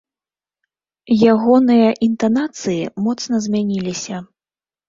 Ягоныя інтанацыі моцна змяніліся.